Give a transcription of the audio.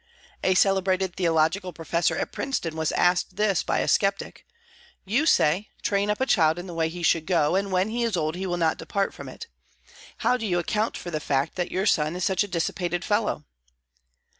A celebrated theological professor at Princeton was asked this, by a sceptic: "You say, train up a child in the way he should go, and when he is old he will not depart from it. How do you account for the fact that your son is such a dissipated fellow?"